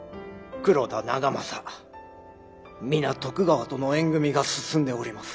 皆徳川との縁組みが進んでおります。